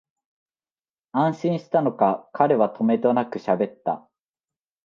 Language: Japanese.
安心したのか、彼はとめどなくしゃべった